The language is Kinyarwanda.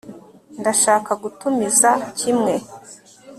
ndashaka gutumiza kimwe